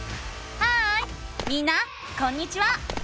ハーイみんなこんにちは！